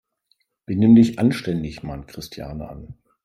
"Benimm dich anständig!", mahnte Christiane an.